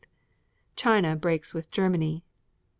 China breaks with Germany.